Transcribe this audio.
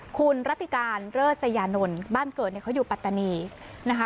คุณรัติการเลิศยานนท์บ้านเกิดเนี่ยเขาอยู่ปัตตานีนะคะ